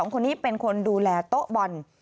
คนนี้เป็นคนดูแลโต๊ะบอล